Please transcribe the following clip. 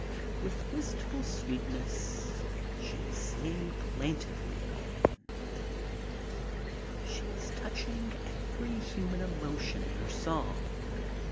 With wistful sweetness, she is singing plaintively again. 126 MY TRIP ABROAD She is touching every human emotion in her song.